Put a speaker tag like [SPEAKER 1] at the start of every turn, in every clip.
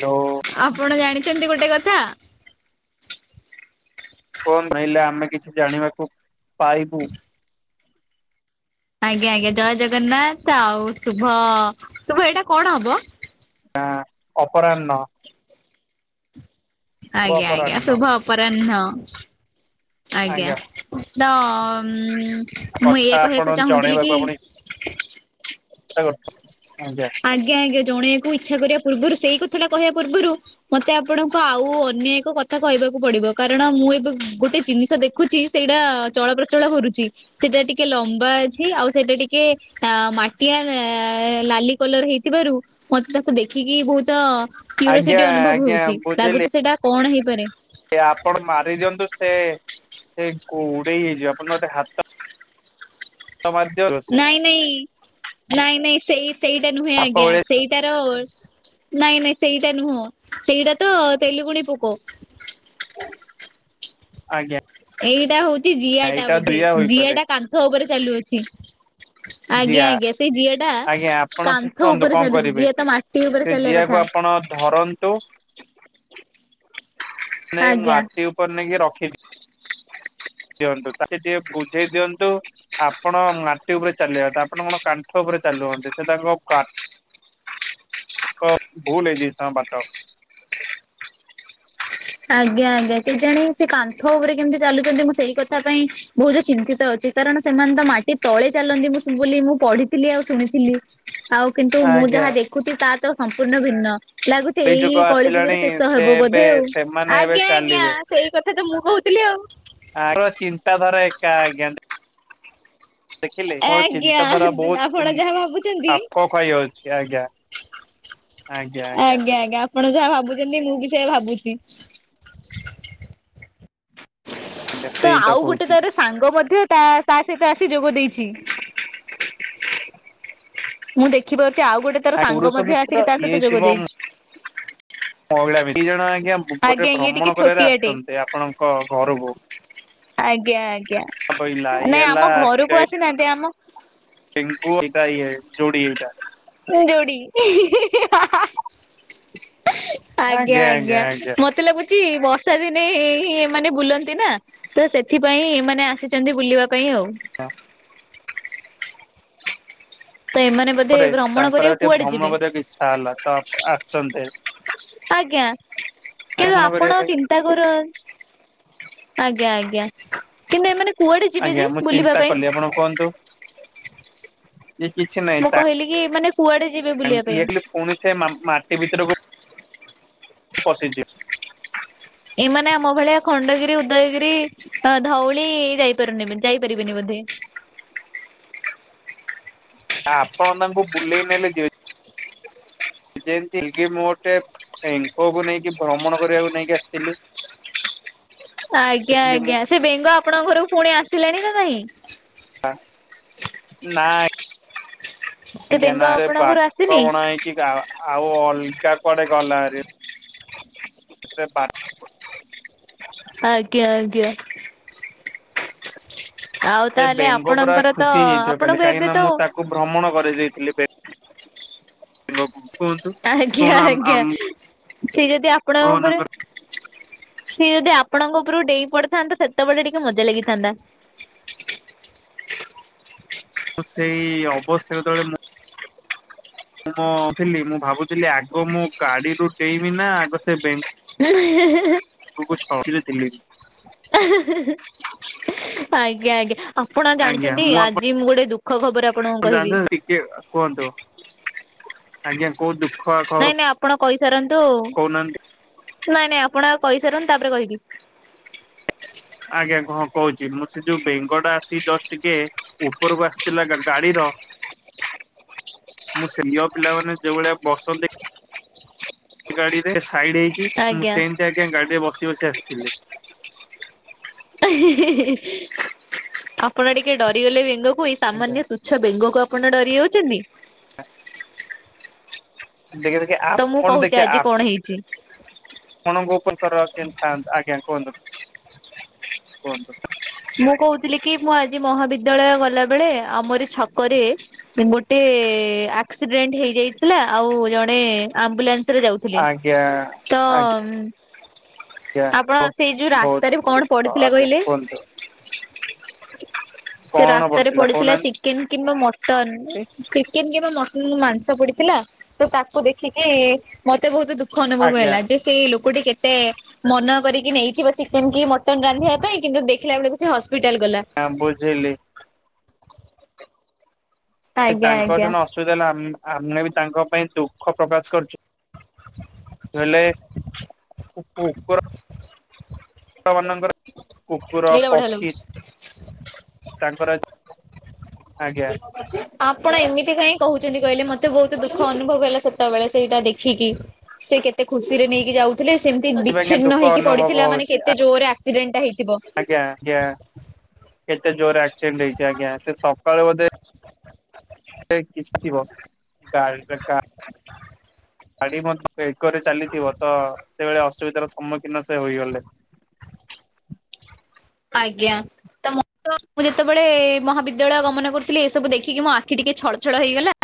[SPEAKER 1] Hello
[SPEAKER 2] ଆପଣ ଜାଣିଛନ୍ତି ଗୋଟେ କଥା?
[SPEAKER 1] କଣ କହିଲେ ଆମେ କିଛି ଜାଣିବାକୁ ପାଇବୁ।
[SPEAKER 2] ଆଜ୍ଞା ଆଜ୍ଞା ଜୟ ଜଗନ୍ନାଥ ଆଉ ଶୁଭ ଶୁଭ ଏଇଟା କଣ ହବ?
[SPEAKER 1] ଆ ଅପରାହ୍ନ। ଶୁଭ
[SPEAKER 2] ଆଜ୍ଞା ଆଜ୍ଞା
[SPEAKER 1] ଅପରାହ୍ନ
[SPEAKER 2] ଶୁଭ ଅପରାହ୍ନ ଆଜ୍ଞା ତ ହ ମୁଁ
[SPEAKER 1] କଥା
[SPEAKER 2] ଏଇଆ
[SPEAKER 1] ଆପଣ
[SPEAKER 2] କହିବାକୁ ଚାହୁଁଥିଲି
[SPEAKER 1] ଜଣେଇବାକୁ
[SPEAKER 2] କି।
[SPEAKER 1] ଆପଣ [unintelligible]
[SPEAKER 2] ଆଜ୍ଞା ଆଜ୍ଞା ଜଣେଇକୁ ଇଚ୍ଛା କରିବା ପୂର୍ବରୁ ସେଇ କ କଥାଟା କହିବା ପୂର୍ବରୁ ମତେ ଆପଣଙ୍କୁ ଆଉ ଅନ୍ୟ ଏକ କଥା କହିବାକୁ ପଡିବ କାରଣ ମୁଁ ଏବେ ଗୋ ଗଟେ ଜିନିଷ ଦେଖୁଛି ସେଇଟା ଚଳପ୍ରଚଳ କରୁଛି ସେଇଟା ଟିକେ ଲମ୍ବା ଅଛି ଆଉ ସେଇଟା ଟିକେ ମାଟିଆ ଲାଲି କଲର ହେଇଥିବାରୁ ମତେ ତାକୁ ଦେଖିକି ବହୁତ
[SPEAKER 1] ଆଜ୍ଞା
[SPEAKER 2] କ୍ୟୁରସିଟି ଅନୁଭବ ହଉଛି ଲାଗୁଛି ସେଇଟା କଣ ହେଇ
[SPEAKER 1] ସେ ଆପଣ ମାରି ଦିଅନ୍ତୁ ସେ ସେ ଗୋଡେଇ ହେଇଯିବ ଆପଣ ଗୋଟେ ହାତ। ମାରିଦିଅନ୍ତୁ ସେ
[SPEAKER 2] ନାଇଁ ନାଇଁ ନାଇଁ ନାଇଁ ସେଇ ସେଇଟା ନୁହେଁ
[SPEAKER 1] ସାପ
[SPEAKER 2] ଆଜ୍ଞା
[SPEAKER 1] ଭଳିଆ
[SPEAKER 2] ସେଇଟାର ନାଇଁ ନାଇଁ ସେଇଟା ନୁହଁ ସେଇଟା ତ ତେଲୁଗୁଣି ପୋକ।
[SPEAKER 1] ଆଜ୍ଞା।
[SPEAKER 2] ଏଇଟା ହଉଛି ଜିଆ ଟା
[SPEAKER 1] ଏଇଟା
[SPEAKER 2] ବୋଧେ ଜିଆ
[SPEAKER 1] ହୋଇପାରେ
[SPEAKER 2] ଟା କାନ୍ଥ ଉପରେ ଚାଲୁଅଛି।
[SPEAKER 1] ଜିଆ
[SPEAKER 2] ଆଜ୍ଞା ଆଜ୍ଞା ସେ ଜିଆ ଟା
[SPEAKER 1] ଆଜ୍ଞା ଆପଣ
[SPEAKER 2] କାନ୍ଥ
[SPEAKER 1] ଶିଖନ୍ତୁ
[SPEAKER 2] ଉପରେ
[SPEAKER 1] କଣ
[SPEAKER 2] ଚାଲୁଛି
[SPEAKER 1] କରିବେ
[SPEAKER 2] ଜିଆ ତ ମାଟି ଉପରେ
[SPEAKER 1] ସେ
[SPEAKER 2] ଚାଲିବା
[SPEAKER 1] ଜିଆକୁ
[SPEAKER 2] କଥା।
[SPEAKER 1] ଆପଣ ଧରନ୍ତୁ। ନାଇଁ
[SPEAKER 2] ଆଜ୍ଞା
[SPEAKER 1] ମାଟି ଉପରେ ନାଇଁ କିି ରଖି ତା ସେ ଟିକେ ବୁଝେଇ ଦିଅନ୍ତୁ ଆପଣ ମା ଉପରେ ଚାଲିବେ ଆପଣ କଣ କାନ୍ଥ ଉପରେ ଚାଲୁଛନ୍ତି ସେଟା କଣ ଭୁଲ ହେଇଯାଇଛି ତାଙ୍କ ବାଟ।
[SPEAKER 2] ଆଜ୍ଞା ଆଜ୍ଞା କେଜାଣି ସେ କାନ୍ଥ ଉପରେ କେମିତି ଚାଲୁଛନ୍ତି ମୁଁ ସେଇ କଥା ପାଇଁ ବହୁତ ଚିନ୍ତିତ ଅଛି। କାରଣ ସେମାନେ ତ ମାଟି ତଳେ ଚାଲନ୍ତି ମୁଁ ବୋଲି ମୁଁ ପଢିଥିଲି ଆଉ ଶୁଣିଥିଲି। ଆଉ କିନ୍ତୁ ମୁଁ
[SPEAKER 1] ଆଜ୍ଞା।
[SPEAKER 2] ଯାହା ଦେଖୁଛି ତା ତ ସମ୍ପୂର୍ଣ୍ଣ ଭିନ୍ନ। ଲାଗୁଛି
[SPEAKER 1] ଯୁଗ
[SPEAKER 2] ଏଇ କଳି
[SPEAKER 1] ଆସିଲାଣି
[SPEAKER 2] ଯୁଗରେ ଶେଷ
[SPEAKER 1] ସେ
[SPEAKER 2] ହବ
[SPEAKER 1] ଏବେ
[SPEAKER 2] ବୋଧେ ଆଉ।
[SPEAKER 1] ସେମାନେ ଏବେ
[SPEAKER 2] ଆଜ୍ଞା ଆଜ୍ଞା ସେଇ କଥା ତ ମୁଁ କହୁଥିଲି ଆଉ।
[SPEAKER 1] ଆ ଚିନ୍ତାଧାରା ଏକା ଆଜ୍ଞା। ଦେଖିଲେ ମୋର
[SPEAKER 2] ଆଜ୍ଞା
[SPEAKER 1] ଚିନ୍ତାଧାରା
[SPEAKER 2] ଆପଣ
[SPEAKER 1] ବହୁତ
[SPEAKER 2] ଯାହା ଭାବୁଛନ୍ତି
[SPEAKER 1] ଖାପ ଖାଇଯାଉଛି ଆଜ୍ଞା। ଆଜ୍ଞା ଆଜ୍ଞା।
[SPEAKER 2] ଆପଣ ଯାହା ଭାବୁଛନ୍ତି ମୁଁ ବି ସେ ଭାବୁଛି।
[SPEAKER 1] ଆଜ୍ଞା
[SPEAKER 2] ତ
[SPEAKER 1] ସେଇତ
[SPEAKER 2] ଆଉ ଗୋଟେ
[SPEAKER 1] କହୁଛି।
[SPEAKER 2] ତାର ସାଙ୍ଗ ମଧ୍ୟ ତା ତା ସହିତ ଆସି ଯୋଗ ଦେଇଛି ମୁଁ ଦେଖିିବାରୁ। ଆଉ ଗୋଟେ ତାର ସାଙ୍ଗ
[SPEAKER 1] ପୁରୁଷ
[SPEAKER 2] ମଧ୍ୟ
[SPEAKER 1] ମିତ୍ର
[SPEAKER 2] ଆସିକି ତା
[SPEAKER 1] ଇଏ
[SPEAKER 2] ସହିତ ଯୋଗ
[SPEAKER 1] ଥିବ
[SPEAKER 2] ଦେଇଛି।
[SPEAKER 1] ମହିଳା ଭି ଦି'ଜଣ ଆଜ୍ଞାରେ
[SPEAKER 2] ଆଜ୍ଞା ଇଏ ଟିକେ
[SPEAKER 1] ଭ୍ରମଣ କରିବାରେ
[SPEAKER 2] ଛୋଟିଆଟେ।
[SPEAKER 1] ଆସିଛନ୍ତି ଆପଣଙ୍କ ଘରକୁ।
[SPEAKER 2] ଆଜ୍ଞା ଆଜ୍ଞା
[SPEAKER 1] ବୋଇଲା ଇଏ
[SPEAKER 2] ନାଇଁ ଆମ ଘରକୁ ଆସିନାହାନ୍ତି ଆମ
[SPEAKER 1] ପିଙ୍କୁ ଏଇଟା ଇଏ ଯୋଡି ଏଇଟା।
[SPEAKER 2] ଯୋଡ଼ି ହିଁ ହିଁ ହାଁ ହାଁ । ଆଜ୍ଞା ଆଜ୍ଞା ମତେ ଲାଗୁଛି କିଛି ବର୍ଷା ଦିନେ ହିଁ ଏମାନେ ବୁଲନ୍ତି ନା ତ ସେଥିପାଇଁ ଏମାନେ ଆସିଛନ୍ତି ବୁଲିବା। ପାଇଁ ଆଉ। ତ ଏମାନେ ବୋଧେ
[SPEAKER 1] ତାପରେ
[SPEAKER 2] ଭ୍ରମଣ
[SPEAKER 1] ତାଙ୍କର
[SPEAKER 2] କରିବାକୁ
[SPEAKER 1] ଟିକେ
[SPEAKER 2] କୁଆଡେ
[SPEAKER 1] ଭ୍ରମଣ
[SPEAKER 2] ଯିବେ
[SPEAKER 1] କରିବାକୁ ଇଚ୍ଛା ହେଲା ତ ଆସିଛନ୍ତି।
[SPEAKER 2] ଆଜ୍ଞା କିନ୍ତୁ
[SPEAKER 1] ଭ୍ରମଣ କରିବା
[SPEAKER 2] ଆପଣ
[SPEAKER 1] ପାଇଁ।
[SPEAKER 2] ଚିନ୍ତା କର ଆଜ୍ଞା ଆଜ୍ଞା କିନ୍ତୁ ଏମାନେ କୁଆଡେ ଯିବେ
[SPEAKER 1] ଆଜ୍ଞା
[SPEAKER 2] ଯେ
[SPEAKER 1] ମୁଁ
[SPEAKER 2] ବୁଲିବା
[SPEAKER 1] ଚିନ୍ତା
[SPEAKER 2] ପାଇଁ।
[SPEAKER 1] କଲି ଆପଣ ଇ କିଛି
[SPEAKER 2] ମୁଁ କହିଲି କି ଏମାନେ କୁଆଡେ ଯିବେ
[SPEAKER 1] ନାହିଁ
[SPEAKER 2] ବୁଲିବା ପାଇଁ?
[SPEAKER 1] [unintelligible] ପୁଣି ସେ ମାଟି ଭିତରକୁ ପସିଛି।
[SPEAKER 2] ଏମାନେ ଆମ ଭଳିଆ ଖଣ୍ଡଗିରି ଉଦୟଗିରି ଧଉଳି ଯାଇପାରୁନି ଯାଇପାରିବେନି ବୋଧେ। [unintelligible]
[SPEAKER 1] ନା ଆପଣ ତାଙ୍କୁ ବୁଲେଇ ନେଲେ ଯିବେ। ଯେମିତି କି ମୁଁ ଗୋଟେ ଏଙ୍କଅକୁ ନେଇକି ଭ୍ରମଣ କରିବାକୁ ନେଇକି ଆସିଥିଲି
[SPEAKER 2] [inaudible] ଆଜ୍ଞା
[SPEAKER 1] ଥିଲି ମୁଁ
[SPEAKER 2] ଆଜ୍ଞା ସେ ବେଙ୍ଗ ଆପଣଙ୍କ ଘରକୁ ପୁଣି ଆସିଲାଣି ନା ନାଇଁ?
[SPEAKER 1] ଆ ନାଇଁ
[SPEAKER 2] ସେ
[SPEAKER 1] ଆଜ୍ଞା
[SPEAKER 2] ବେଙ୍ଗ
[SPEAKER 1] ନା
[SPEAKER 2] ଆପଣଙ୍କ ଘରୁ
[SPEAKER 1] ବାଟ
[SPEAKER 2] ଆସିନି?
[SPEAKER 1] ବଣା ହେଇକି ଆଉ ଅ କା କୁଆଡେ ଗଲାହାରି ପା
[SPEAKER 2] ଆଜ୍ଞା ଆଜ୍ଞା। ଆଉ
[SPEAKER 1] ସେ
[SPEAKER 2] ତାହେଲେ
[SPEAKER 1] ବେଙ୍ଗ ପୁରା
[SPEAKER 2] ଆପଣଙ୍କର ତ
[SPEAKER 1] ଖୁସି ହେଇଯାଇଥିବ କାଲି
[SPEAKER 2] ଆପଣଙ୍କୁ
[SPEAKER 1] କାହିଁକି
[SPEAKER 2] ଏବେ
[SPEAKER 1] ନା
[SPEAKER 2] ତ
[SPEAKER 1] ମୁଁ
[SPEAKER 2] [inaudible]
[SPEAKER 1] ତାକୁ ଭ୍ରମଣ କରେଇ ଦେଇଥିଲି [unintelligible] କୁହନ୍ତୁ
[SPEAKER 2] ଆଜ୍ଞା
[SPEAKER 1] କଣ ଆମ
[SPEAKER 2] ଆଜ୍ଞା
[SPEAKER 1] ଆମ
[SPEAKER 2] ସେ ଯଦି ଆପଣଙ୍କ ଉପରେ
[SPEAKER 1] ମାନଙ୍କର
[SPEAKER 2] ସିଏ ଯଦି ଆପଣଙ୍କ ଉପରୁ ଡେଇଁ ପଡିଥାନ୍ତା ସେତେବେଳେ ଟିକେ ମଜା ଲାଗିଥାନ୍ତା। [inaudible]
[SPEAKER 1] ସେଇ ଅବସ୍ଥାରେ ଯେତେବେଳେ ମୁଁ ମୁଁ ମୁଁ ଥିଲି ମୁଁ ଭାବୁଥିଲି ଆଗ ମୁଁ ଗାଡିରୁୁ ଡେଇବି ନା ଆଗ ସେ ବେଙ୍ଗ [unintelligible]
[SPEAKER 2] ଆଜ୍ଞା ଆଜ୍ଞା ଆପଣ ଜାଣିଛନ୍ତି ଆଜି ମୁଁ ଗୋଟେ ଦୁଖ
[SPEAKER 1] ଜାଣିଛ ଟିକେ କୁହନ୍ତୁ ଆଜ୍ଞା କୁହନ୍ତୁ।
[SPEAKER 2] ନାଇଁ ନାଇଁ ଆପଣ କହିସାରନ୍ତୁ।
[SPEAKER 1] କହୁନାହାନ୍ତି
[SPEAKER 2] ନାଇଁ ନାଇଁ ଆପଣ ଆଗ କହିସାରନ୍ତୁ, ତାପରେ କହିବି।
[SPEAKER 1] ଆଜ୍ଞା କଣ କହୁଛି, ମୁଁ ସେ ଯୋଉ ବେଙ୍ଗଟା ଆସି ଜଷ୍ଟ ଟିକେ ଉପରକୁ ଆସିଥିଲା, ଗାଡିର
[SPEAKER 2] [inaudible]
[SPEAKER 1] ମୋ ସିନିୟର ପିଲାମାନେ ଯୋଉ ଭଳିଆ ବସନ୍ତି ଗାଡି ରେ ସାଇଡ ହେଇକି ।ମୁଁ
[SPEAKER 2] ଆଜ୍ଞା।
[SPEAKER 1] ସେମିତି ଆଜ୍ଞା ଗାଡି ରେ ବ ବସି ବସି ଆସିଥିଲି।
[SPEAKER 2] ହିଁ-ହିଁ, ଆପଣ ଟିକେ ଡରିଗଲେ ବେଙ୍ଗକୁ ଏଇ
[SPEAKER 1] ଆଜ୍ଞା
[SPEAKER 2] ସାମାନ୍ୟ ତୁଚ୍ଛ ବେଙ୍ଗକୁ ଆ ଆପଣ ଡରି ଯାଉଛନ୍ତି?
[SPEAKER 1] ଦେଖି ଦେଖି
[SPEAKER 2] ତ ମୁଁ
[SPEAKER 1] ଆପଣ
[SPEAKER 2] କହୁଛି
[SPEAKER 1] ଦେଖିବା
[SPEAKER 2] ଆଜି କଣ ହେଇଛି।
[SPEAKER 1] ଆପଣଙ୍କ ଉପଙ୍କର କେମିତି ଥାନ୍ତା ଆଜ୍ଞା କୁହନ୍ତୁ।
[SPEAKER 2] ମୁଁ କହୁଥିଲି କି, ମୁଁ ଆଜି ମହାବିଦ୍ୟାଳୟ ଗଲା ବେଳେ, ଆମରୀ ଛକରେ ଗୋଟେ ଏ-ଆକ୍ସିଡେଣ୍ଟ ହେଇଯାଇଥିଲା, ଆଉ ଜଣେ ଆମ୍ବୁଲାନ୍ସ ସେ ଯାଉଥିଲେ
[SPEAKER 1] ଆଜ୍ଞା
[SPEAKER 2] ତ
[SPEAKER 1] ଆଜ୍ଞା
[SPEAKER 2] ଆପଣ ସେଇ ଯୋଉ
[SPEAKER 1] ବହୁତ
[SPEAKER 2] ରାସ୍ତାରେ, କଣ
[SPEAKER 1] ଦୁଃଖ
[SPEAKER 2] ପଡିଥିଲା
[SPEAKER 1] ଆଜ୍ଞା
[SPEAKER 2] କହିଲେ?
[SPEAKER 1] କୁହନ୍ତୁ
[SPEAKER 2] ସେ
[SPEAKER 1] କଣ
[SPEAKER 2] ରାସ୍ତାରେ ପଡିଥିଲା
[SPEAKER 1] କହୁନାହାନ୍ତି
[SPEAKER 2] ଚିକେନ କିମ୍ବା ମଟନ। ଚିକେନ କିମ୍ବା ମଟ ହୁଁ, ମାଂସ ପଡିଥିଲା ।ତ ତାକୁ ଦେଖିକି ମତେ ବହୁତ ଦୁଃଖ ଅନୁଭବ
[SPEAKER 1] ଆଜ୍ଞା
[SPEAKER 2] ହେଲା ।ଯେ ସେ ଲୋକ ଲୋକଟି କେତେ ମନ କରିକି ନେଇଥିବ ଚିକେନ କି ମଟନ୍ ରାନ୍ଧିବା ପାଇଁ, କିନ୍ତୁ ଦେଖିଲା ବେଳକୁ ହସ
[SPEAKER 1] ହଁ ବୁଝିଲି। ଏ
[SPEAKER 2] ଆଜ୍ଞା
[SPEAKER 1] ତାଙ୍କର
[SPEAKER 2] ଆଜ୍ଞା।
[SPEAKER 1] ସିନା ଅସୁବିଧା ହେଲା, ଆମେ ବି ତାଙ୍କ ପାଇଁ ଦୁଃଖ ପ୍ରକାଶ କରୁଛୁ। ହେଲେ କୁ-କୁର ମାନଙ୍କର କୁକୁର
[SPEAKER 2] ଏଇଟା ବଢିଆ
[SPEAKER 1] ପକ୍ଷୀ
[SPEAKER 2] ଲାଗୁଛି। [inaudible]
[SPEAKER 1] ତାଙ୍କର ଆଜ୍ଞା
[SPEAKER 2] ଆପଣ ଏମିତି କାଇଁ କହୁଛନ୍ତି କହିଲେ ମତେ ବହୁତ ଦୁଃଖ ଅନୁଭବ ହେଲା, ସେତେବେଳେ ସେଇଟା ଦେଖିକି। ସେ କେତେ ଖୁସି ରେ ନେଇକି ଯାଉଥିଲେ ।ସେମିତି
[SPEAKER 1] ସେଥିପାଇଁ
[SPEAKER 2] ବିଛିନ୍ନ
[SPEAKER 1] ଦୁଃଖ
[SPEAKER 2] ହେକି
[SPEAKER 1] ଅନୁଭବ
[SPEAKER 2] ପଡିଥିଲା ମାନେ
[SPEAKER 1] ହଉଛି
[SPEAKER 2] କେତେ ଜୋରରେ ଆକ୍ସିଡେଣ୍ଟା ହେଇ
[SPEAKER 1] ଆଜ୍ଞା ଆଜ୍ଞା ।କେତେ ଜୋର ଆକ୍ସିଡେଣ୍ଟ ହେଇଛି ଆଜ୍ଞା, ସେ ସକାଳେ ବୋଧେ ସେ କିଛି [unintelligible]
[SPEAKER 2] [inaudible]
[SPEAKER 1] ଗାଡି ମଧ୍ୟ ଏକରେ ଚାଲିଥିବ ତ ସେଭଳି ଅସୁବିଧାର ସମ୍ମୁଖୀନ ସେ ହୋଇଗଲେ।
[SPEAKER 2] ଆଜ୍ଞା ।ତ ମୁଁ ତ, ମୁଁ ଯେତେବେଳେ ମହାବିଦ୍ୟାଳୟ ଗମନ କରୁଥିଲି, ଏସବୁ ଦେଖିକି ମୋ ଆଖି ଟିକେ ଛଳ ଛଳ ହେଇଗଲା।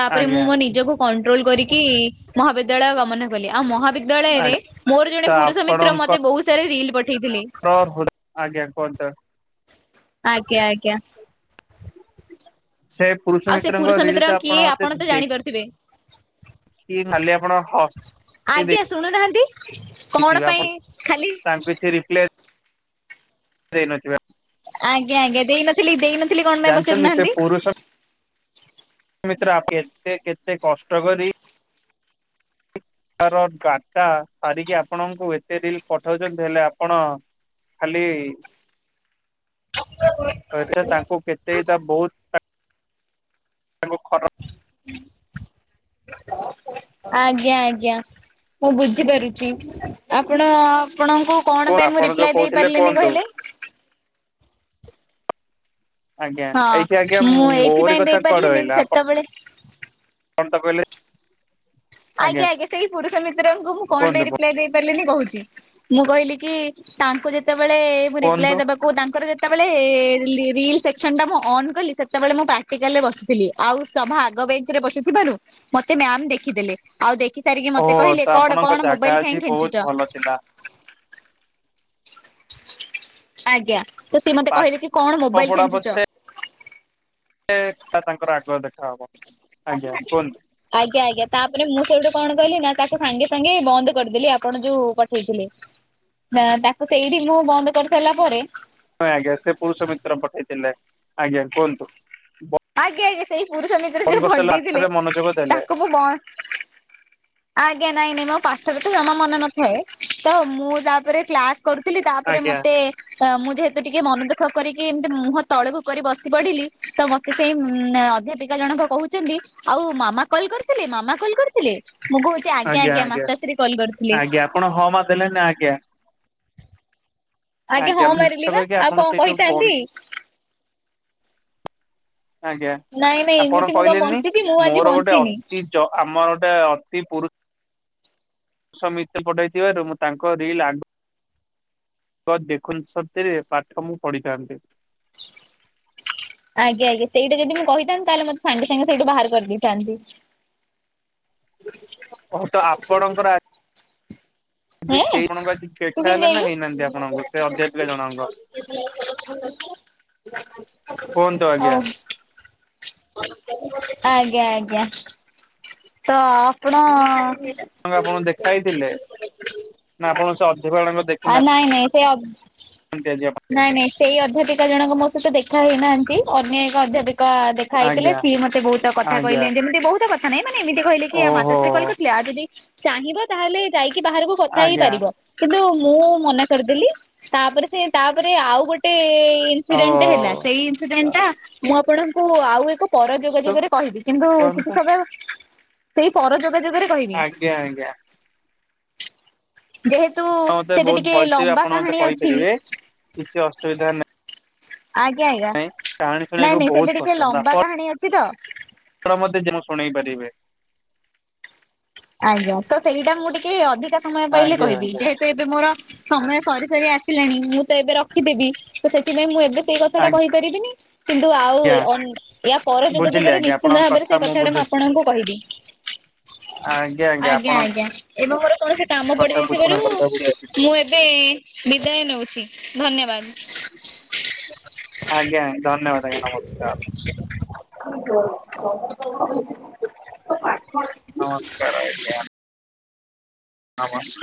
[SPEAKER 2] ତାପରେ ମୁଁ
[SPEAKER 1] ଆଜ୍ଞା
[SPEAKER 2] ମୋ ନିଜକୁ କଣ୍ଟ୍ରୋଲ କରିକି ମହାବିଦ୍ୟାଳୟ ଗମନା କଲି। ଆଉ ମହା ବିଦ୍ୟାଳୟରେ
[SPEAKER 1] ଆଜ୍ଞା
[SPEAKER 2] ମୋର
[SPEAKER 1] ତ
[SPEAKER 2] ଜଣେ ପୁରୁଷ ମିତ୍ର ମତେ
[SPEAKER 1] ଆପଣଙ୍କର
[SPEAKER 2] ବହୁତ ସାର ରିଲ ପଠେଇଥିଲେ।
[SPEAKER 1] ଆଜ୍ଞା କୁହନ୍ତୁ?
[SPEAKER 2] ଆଜ୍ଞା, ଆଜ୍ଞା।
[SPEAKER 1] ସେ ପୁରୁଷ
[SPEAKER 2] ଆଉ ସେ
[SPEAKER 1] ମିତ୍ରଙ୍କ
[SPEAKER 2] ପୁରୁଷ
[SPEAKER 1] ରିଲ
[SPEAKER 2] ମିତ୍ର
[SPEAKER 1] ଟା
[SPEAKER 2] କିଏ, ଆପଣ ତ ଜାଣିପାରୁଥିବେ।
[SPEAKER 1] କିଏ ନାଲି ଆପଣ ହସ୍
[SPEAKER 2] ଆଜ୍ଞା ଶୁଣୁନାଁହାନ୍ତି ।କଣ
[SPEAKER 1] ଦେଇଥିବେ ଆପଣ
[SPEAKER 2] ପାଇଁ ଖାଲି
[SPEAKER 1] ଦେଇ ନଥିବା
[SPEAKER 2] ଆଜ୍ଞା ଆଜ୍ଞା। ଦେଇନଥିଲି ଦେଇନଥିଲି କଣ, ପାଇଁ ପଚାରୁ
[SPEAKER 1] ଜାଣିଛନ୍ତି ସେ ପୁରୁଷ
[SPEAKER 2] ନାହାନ୍ତି?
[SPEAKER 1] ମିତ୍ର ଆପ- କେତେ, କେତେ କଷ୍ଟ କରି ତାର ଡାଟା ସାରିକି ଆପଣଙ୍କୁ ଏତେ ରିଲ ପଠଉଛନ୍ତି ।ହେଲେ ଆପଣ ଖାଲି ରେ ତାଙ୍କୁ କେତେଟା ବହୁତ ତାଙ୍କୁ ଖରାପ
[SPEAKER 2] ଆଜ୍ଞା ଆଜ୍ଞା। ମୁଁ ବୁଝିପାରୁଛି, ଆପଣ ଆପଣଙ୍କୁ କଣ ପାଇଁ ମୁଁ
[SPEAKER 1] ଆପଣ ଯୋଉ
[SPEAKER 2] ରିପ୍ଲାଏ
[SPEAKER 1] କହୁଥିଲେ
[SPEAKER 2] ଦେଇପାରିଲିନି
[SPEAKER 1] କୁହନ୍ତୁ।
[SPEAKER 2] କହିଲେ?
[SPEAKER 1] ଆଜ୍ଞା ଏଇଠି ଆଜ୍ଞା
[SPEAKER 2] ହଁ ମୁଁ
[SPEAKER 1] ମୋରି
[SPEAKER 2] ଏଇଥିପାଇଁ
[SPEAKER 1] କଥା କୁଆଡେ
[SPEAKER 2] ଦେଇପାରିଲିନି
[SPEAKER 1] ଆଇଲା
[SPEAKER 2] ସେତେବେଳେ
[SPEAKER 1] ତ କହିଲେ
[SPEAKER 2] ଆଜ୍ଞା ଆଜ୍ଞା ସେଇ ପୁରୁଷ ମିତ୍ରଙ୍କୁ ମୁଁ କଣ ପାଇଁ
[SPEAKER 1] କୁହନ୍ତୁ
[SPEAKER 2] ରିପ୍ଲାଏ ଦେଇ ପାରିଲିନି କହୁଛି। ମୁଁ କହିଲି କି ତାଙ୍କୁ ଯେତେବେଳେ ଏ ରିପ୍ଲାଏ
[SPEAKER 1] କୁହନ୍ତୁ
[SPEAKER 2] ଦେବାକୁ ତାଙ୍କର ଯେ ସେତେବେଳେ ରିଲ ସେକ୍ସନ ଟା ମୁଁ ଅ କଲି ସେତେବେଳେ ମୁଁ ପ୍ରାକ୍ଟିକାଲରେ ବସିଥିଲି ଆଉ ସଭା ଆଗ ବିଚ୍ ରେ ବସିଥିବାରୁ ମତେ ମାମ୍ ଦେଖିଦେଲେ। ଆଉ ଦେଖି ସାରିକି
[SPEAKER 1] ଓ
[SPEAKER 2] ମତେ
[SPEAKER 1] ତ
[SPEAKER 2] କହିଲେ କଣ
[SPEAKER 1] ଆପଣଙ୍କ
[SPEAKER 2] କଣ
[SPEAKER 1] ଜାଗା
[SPEAKER 2] ମୋବାଇଲ
[SPEAKER 1] ଆଜି
[SPEAKER 2] କାଇଁ
[SPEAKER 1] ବହୁତ
[SPEAKER 2] ଖେଞ୍ଚୁଚ?
[SPEAKER 1] ଭଲ ଥିଲା।
[SPEAKER 2] ଆଜ୍ଞା ତ ସେ ମତେ
[SPEAKER 1] ପାଠ
[SPEAKER 2] କହିଲେ କି କଣ ମୋବାଇଲ ଖେଞ୍ଚୁଚ?
[SPEAKER 1] ସେ ତା ତାଙ୍କର ଆଗୁଆ ଦେଖାହବ। ଆଜ୍ଞା କୁହନ୍ତୁ।
[SPEAKER 2] ଆଜ୍ଞା ଆଜ୍ଞା ତାପରେ ମୁଁ ସେଠୁ କଣ କହିଲି ନା ସାଙ୍ଗେ ସାଙ୍ଗେ ବନ୍ଦ କରିଦେଲି ଆପଣ ଯୋଉ ପଠେଇଥିଲେ। ନା ତାକୁ ସେଇଠି ମୁଁ ବନ୍ଦ କରିସାରିଲା ପରେ
[SPEAKER 1] ହଁ ଆଜ୍ଞା ସେ ପୁରୁଷ ମିତ୍ର ପଠେଇଥିଲେ ଆଜ୍ଞା କୁହନ୍ତୁ?
[SPEAKER 2] ଆଜ୍ଞା ଆଜ୍ଞା ସେଇ ପୁରୁଷ ମିତ୍ର
[SPEAKER 1] ଫୋନ
[SPEAKER 2] ଯୋଉ
[SPEAKER 1] କରିସାରିଲା
[SPEAKER 2] ଭଣ୍ଡେଇଥିଲେ
[SPEAKER 1] ପାଠରେ ମନୋଯୋଗ ଦେଲେ
[SPEAKER 2] ତାକୁ ମୁଁ ବନ୍ଦ ଆଜ୍ଞା ନାଇଁ ନାଇଁ ମୋ ପାଠରେ ତ ଜମା ମନେ ନଥାଏ ତ ମୁଁ ତାପରେ କ୍ଲାସ କରୁଥିଲି ତାପରେ
[SPEAKER 1] ଆଜ୍ଞା
[SPEAKER 2] ମତେ ମୁଁ ଯେହେତୁ ଟିକେ ମନ ଦୁଃଖ କରିକି ଏମିତି ମୁହଁ ତଳକୁ କରି ବସି ପଡିଲି ତ ମତେ ସେଇ ଅଧ୍ୟାପିକା ଜଣକ କହୁଛନ୍ତି ଆଉ ମାମା କଲ୍ କରିଥିଲେ ମାମା କଲ୍ କରିଥିଲେ? ମୁଁ କହୁଚି ଆଜ୍ଞା ଆଜ୍ଞା ମାତାଶ୍ରୀ କଲ କରିଥିଲେ।
[SPEAKER 1] ଆଜ୍ଞା ଆପଣ ହଁ ମା ଦେଲେନି ଆଜ୍ଞା
[SPEAKER 2] ଆଜ୍ଞା ହଁ
[SPEAKER 1] ମିଛ
[SPEAKER 2] ମାରିଲି ପା
[SPEAKER 1] କହିକି
[SPEAKER 2] ଆଉ
[SPEAKER 1] ଆପଣ
[SPEAKER 2] କଣ
[SPEAKER 1] ସେଇଠୁ ବନ୍ଦ
[SPEAKER 2] କହିଥାନ୍ତି?
[SPEAKER 1] ଆଜ୍ଞା
[SPEAKER 2] ନାଇଁ ନାଇଁ
[SPEAKER 1] ଆପଣ
[SPEAKER 2] ଏମିତି ମୁଁ କଣ
[SPEAKER 1] କହିଲେନି
[SPEAKER 2] ବଞ୍ଚିଛି ମୁଁ ଆଜି
[SPEAKER 1] ମୋର ଗୋଟେ
[SPEAKER 2] ବଞ୍ଚିନି
[SPEAKER 1] ଅତି ଜ ଆମର ଟା ଅତି ପରୁଷ ପୁରୁଷ ମିତ୍ର ପଠେଇଥିବାରୁ ମୁଁ ତାଙ୍କ ରିଲ ଆ ଦେଖୁନ୍ତୁ ସତରେ ପାଠ ମୁଁ ପଢ଼ିଥାନ୍ତି।
[SPEAKER 2] ଆଜ୍ଞା ଆଜ୍ଞା ସେଇଟା ଯଦି ମୁଁ କହିଥାନ୍ତି ତାହେଲେ ମୋତେ ସାଙ୍ଗେ ସାଙ୍ଗେ ସେଇଠୁ ବାହାର କରିଦେଇଥାନ୍ତେ।
[SPEAKER 1] ହଉ ତ ଆପଣଙ୍କର ଆ
[SPEAKER 2] ହେଁ
[SPEAKER 1] ସେଇ ଗୁଣକୁ ଆଜି
[SPEAKER 2] ତୁ
[SPEAKER 1] ଦେଖା ହେଲା ନା
[SPEAKER 2] କେମିତି
[SPEAKER 1] ହେଇନାହାନ୍ତି
[SPEAKER 2] ଯାଇଁଲୁ
[SPEAKER 1] ଆପଣଙ୍କୁ ସେ ଅଧ୍ୟାପିକା ଜଣଙ୍କ? କୁହନ୍ତୁ
[SPEAKER 2] [inaudible] ଓ
[SPEAKER 1] ଆଜ୍ଞା
[SPEAKER 2] ଆଜ୍ଞା ଆଜ୍ଞା ତ ଆପଣ
[SPEAKER 1] ଆପଣ ଦେଖାଇଥିଲେ ନା ଆପଣ ସେ ଅଧିବାଳକ ଦେଖିନାହାନ୍ତି।
[SPEAKER 2] ନାଇଁ ନାଇଁ ସେ
[SPEAKER 1] ଆଜି ଆପଣ?
[SPEAKER 2] ନାଇଁ ନାଇଁ ସେଇ ଅଧ୍ୟାପିକା ଜଣକ ମୋ ସହିତ ଦେଖା ହେଇନାହାନ୍ତି ଅନ୍ୟ ଏକ ଅଧ୍ୟାପି କା ଦେଖା ହେଇଥିଲେ
[SPEAKER 1] ଆଜ୍ଞା
[SPEAKER 2] ସିଏ ମତେ ବହୁତ କଥା
[SPEAKER 1] ଆଜ୍ଞା
[SPEAKER 2] କହିଲେ ଏ ଯେମିତି ବହୁତ କ ମାନେ ଏମିତି କହିଲେ କି ଆ
[SPEAKER 1] ଓହୋ
[SPEAKER 2] ମାତାଶ୍ରୀ କଲ କରିଥିଲେ ଆଉ ଯଦି ଚାହିଁବ ତାହେଲେ ଯା କି ବାହାରକୁ କଥା
[SPEAKER 1] ଆଜ୍ଞା
[SPEAKER 2] ହେଇପାରିବ କିନ୍ତୁ ମୁଁ ମନା କରିଦେଲି ତାପରେ ସେ ତାପରେ ଆଉ ଗୋଟେ
[SPEAKER 1] ଓ
[SPEAKER 2] ଇନସିଡେଣ୍ଟ ହେଲା ସେଇ ଇନସିଡେଣ୍ଟ ଟା ମୁଁ ଆପଣଙ୍କୁ ଆଉ ଏକ ପର
[SPEAKER 1] ତୁ
[SPEAKER 2] ଯୋଗାଯୋଗରେ କହିବି କିନ୍ତୁ କିଛି
[SPEAKER 1] କୁହନ୍ତୁ
[SPEAKER 2] ସମୟ ସେଇ ପରଯୋଗ ଯୋଗରେ କହିବି।
[SPEAKER 1] ଆଜ୍ଞା ଆଜ୍ଞା
[SPEAKER 2] ଯେହେତୁ
[SPEAKER 1] ହଁ ମତେ
[SPEAKER 2] ସେଟା
[SPEAKER 1] ବହୁତ
[SPEAKER 2] ଟିକେ
[SPEAKER 1] ଭଲସେ
[SPEAKER 2] ଲମ୍ବା
[SPEAKER 1] ଆପଣ ମତେ
[SPEAKER 2] କାହାଣୀ ଅଛି
[SPEAKER 1] କହିପାରିବେ କିଛି ଅସୁବିଧା ନା
[SPEAKER 2] ଆଜ୍ଞା ଆଜ୍ଞା
[SPEAKER 1] ପାଇଁ କାହାଣୀ
[SPEAKER 2] ନାଇଁ
[SPEAKER 1] ଶୁଣିବାକୁ
[SPEAKER 2] ନାଇଁ ସେଠି
[SPEAKER 1] ବହୁତ
[SPEAKER 2] ଟିକେ
[SPEAKER 1] ପସନ୍ଦ
[SPEAKER 2] ଲମ୍ବା
[SPEAKER 1] ଆପ
[SPEAKER 2] କାହାଣୀ ଅଛି ତ
[SPEAKER 1] ଣ ମତେ ଯେଉଁ ଶୁଣେଇ ପାରିବେ।
[SPEAKER 2] ଆଜ୍ଞା ତ ସେଇଟା ମୁଁ ଟିକେ ଅଧିକା ସମୟ ପାଇଲେ
[SPEAKER 1] ଆଜ୍ଞା
[SPEAKER 2] କହିବି
[SPEAKER 1] ଆଜ୍ଞା।
[SPEAKER 2] ଯେହେତୁ ଏବେ ମୋର ସମୟ ସରି ସରି ଆସିଲାଣି ମୁଁ ତ ଏବେ ରଖିଦେବି ତ ସେଥିପାଇଁ ମୁଁ ଏବେ ସେଇ କଥା ଟା କହିପାରିବିନି। କିନ୍ତୁ ଆଉ
[SPEAKER 1] ଆଜ୍ଞା
[SPEAKER 2] ଆ ୟା ପର ଯୋଗ
[SPEAKER 1] ବୁଝିଲି
[SPEAKER 2] ଯୋଗରେ
[SPEAKER 1] ଆଜ୍ଞା
[SPEAKER 2] ନିଶ୍ଚିନ୍ତ
[SPEAKER 1] ଆପଣଙ୍କ
[SPEAKER 2] ଭାବରେ
[SPEAKER 1] କଥା
[SPEAKER 2] ସେ କଥାଟା ମୁଁ
[SPEAKER 1] ବୁଝୁଛି
[SPEAKER 2] ଆପଣଙ୍କୁ କହିବି। [inaudible]
[SPEAKER 1] ଆଜ୍ଞା ଆଜ୍ଞା ଆପଣ
[SPEAKER 2] ଆଜ୍ଞା ଏବଂ ମୋର କୌଣସି କାମ
[SPEAKER 1] କଥା ବୁଝୁଛି
[SPEAKER 2] ପଡିଯାଇଥିବାରୁ ମୁଁ ଏବେ ବିଦାୟ ନଉଛି ଧନ୍ୟବାଦ।
[SPEAKER 1] ଆଜ୍ଞା ଧନ୍ୟବାଦ ଆଜ୍ଞା ନମସ୍କାର
[SPEAKER 2] [inaudible] [inaudible] [unintelligible]
[SPEAKER 1] ନମସ୍କାର ଆଜ୍ଞା। ନମସ୍କା